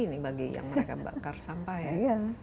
itu memang maksih bagi yang mereka bakar sampah ya